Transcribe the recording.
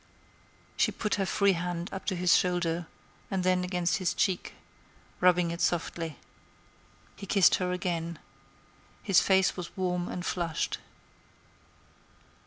She put her free hand up to his shoulder, and then against his cheek, rubbing it softly. He kissed her again. His face was warm and flushed.